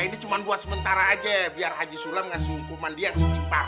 ini cuma buat sementara aja biar haji sulam ngasih hukuman dia ke setimpa